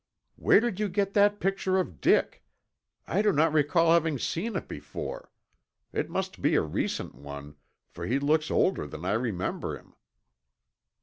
"Where did you get that picture of Dick? I do not recall having seen it before. It must be a recent one, for he looks older than I remember him."